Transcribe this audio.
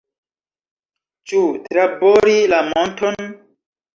Ĉu trabori la monton?